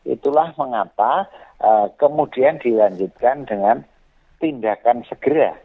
itulah mengapa kemudian dilanjutkan dengan tindakan segera